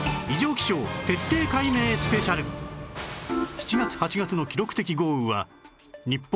７月８月の記録的豪雨は日本